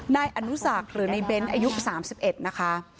ในอนุศักดิ์หรือในเบนส์อายุ๓๑นะคะ